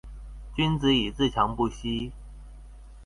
君子以自强不息